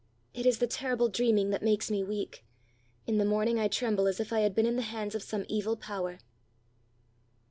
"It is the terrible dreaming that makes me weak. In the morning I tremble as if I had been in the hands of some evil power."